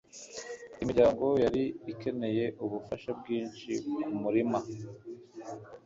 Imiryango yari ikeneye ubufasha bwinshi kumurima.